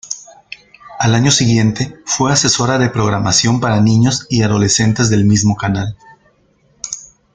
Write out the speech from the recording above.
Al año siguiente fue asesora de programación para niños y adolescentes del mismo canal.